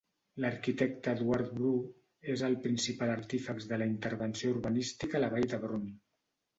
L'arquitecte Eduard Bru és el principal artífex de la intervenció urbanística a la Vall d'Hebron.